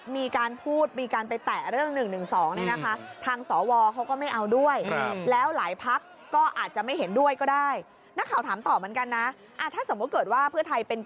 มีการพูดมีการไปแตะเรื่อง๑๑๒เนี่ยนะคะ